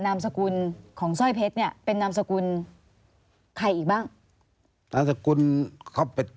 นามสกุลของสร้อยเพชรเนี่ยเป็นนามสกุลใครอีกบ้างนามสกุลเขาเป็น